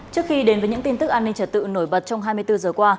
trước khi đến với những tin tức an ninh trật tự nổi bật trong hai mươi bốn giờ qua